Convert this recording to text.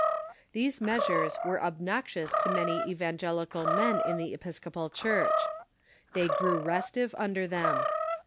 These measures were obnoxious to many evan gelical men in the Episcopal Church. They grew restive under them.